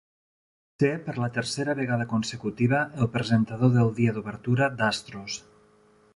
Va ser, per la tercera vegada consecutiva, el presentador del dia d'obertura d'Astros.